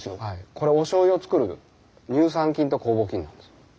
これおしょうゆを作る乳酸菌と酵母菌なんです。